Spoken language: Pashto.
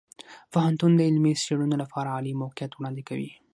پوهنتون د علمي څیړنو لپاره عالي موقعیت وړاندې کوي.